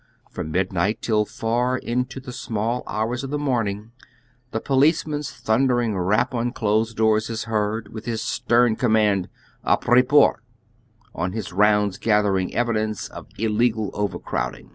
From midnight till far into the small hours of the morning the policeman's thundering I'ap on closed doors is heard, with his stern command, "^jh'i^ot*' /" on his rounds gathering evidence of illegal overcrowding.